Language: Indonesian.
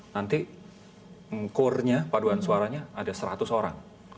nanti core nya paduan suaranya ada seratus orang